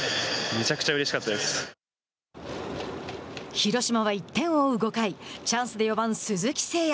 広島は１点を追う５回チャンスで４番鈴木誠也。